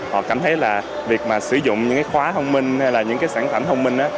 họ cảm thấy là việc mà sử dụng những cái khóa thông minh hay là những cái sản phẩm thông minh